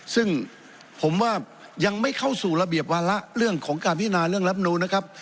ซึ่งผมว่ายังไม่เข้าสู่ระเบียบวาระเรื่องของการพิจารณาเรื่องรับนูนนะครับ